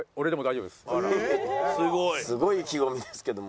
すごい意気込みですけども。